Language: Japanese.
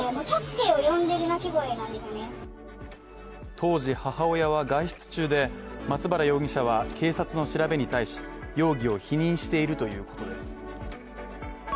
当時、母親は外出中で松原容疑者は警察の調べに対し容疑を否認しているということです。